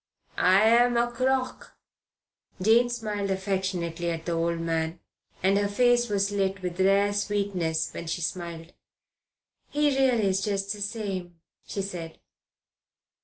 I'm a crock." Jane smiled affectionately at the old man, and her face was lit with rare sweetness when she smiled. "He really is just the same," she said.